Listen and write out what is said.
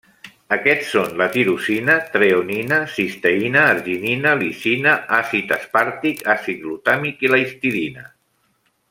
Aquests són la tirosina, treonina, cisteïna, arginina, lisina, àcid aspàrtic, àcid glutàmic i la histidina.